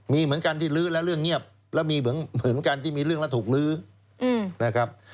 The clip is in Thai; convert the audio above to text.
มีเหมือนกันที่ลื้อแล้วเรื่องเงียบแล้วมีเหมือนกันที่มีเรื่องแล้วถูกลื้อนะครับ